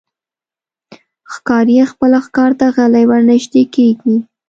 ښکاري خپل ښکار ته غلی ورنژدې کېږي.